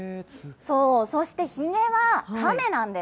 そう、そしてひげはカメなんです。